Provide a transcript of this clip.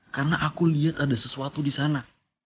karena aku liat ada sesuatu di sana